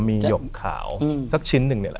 มีหยกขาวสักชิ้นหนึ่ง